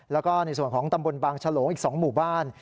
แล้วก็ในส่วนของตำบลบางฉลงอีก๒หมู่บ้าน